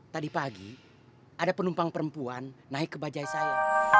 tadi pagi ada penumpang perempuan naik ke bajai saya